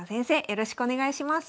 よろしくお願いします。